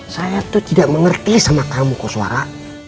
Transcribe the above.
saya tuh tidak mengerti sama kamu suara